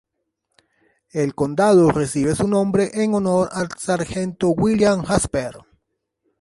El condado recibe su nombre en honor al Sargento William Jasper.